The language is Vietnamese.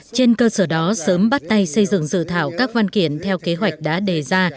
trên cơ sở đó sớm bắt tay xây dựng dự thảo các văn kiện theo kế hoạch đã đề ra